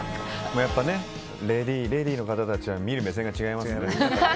やっぱりレディーの方たちは見る目が違いますよね。